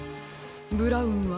ブラウンは？